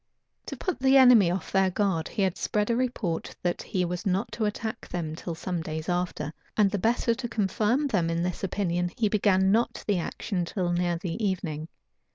To put the enemy off their guard, he had spread a report that he was not to attack them till some days after; and the better to confirm them in this opinion, he began not the action till near the evening.